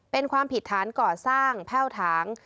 เป็นความผิดฐานก่อสร้างแพ่วถาง